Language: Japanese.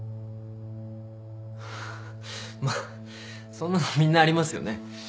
まあそんなのみんなありますよね。